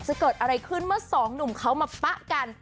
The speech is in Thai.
จะเกิดอะไรขึ้นเมื่อสองหนุ่มเขามาปะกัน